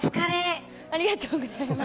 ありがとうございます。